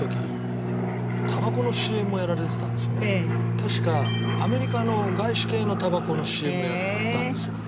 確かアメリカの外資系のタバコのＣＭをやってたんですよ。